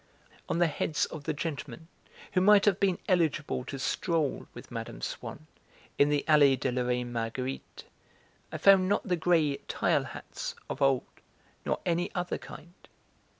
On the heads of the gentlemen who might have been eligible to stroll with Mme. Swann in the Allée de la Reine Marguerite, I found not the grey 'tile' hats of old, nor any other kind.